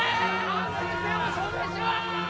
安全性を証明しろ！